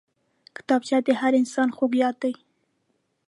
کتابچه د هر انسان خوږ یاد دی